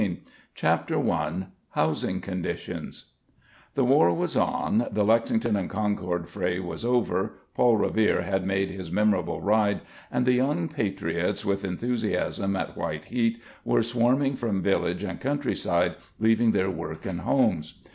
] Chapter I HOUSING CONDITIONS The war was on, the Lexington and Concord fray was over, Paul Revere had made his memorable ride, and the young patriots with enthusiasm at white heat were swarming from village and countryside leaving their work and homes.